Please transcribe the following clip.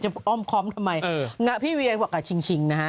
เห็นแล้วหน้า